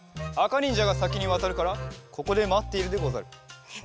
あかにんじゃがさきにわたるからここでまっているでござる。